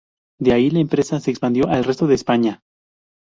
De ahí, la empresa se expandió al resto de España.